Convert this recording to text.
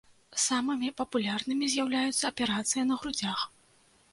Самымі папулярнымі з'яўляюцца аперацыі на грудзях.